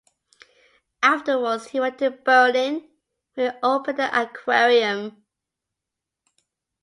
Afterwards he went to Berlin, where he opened an aquarium.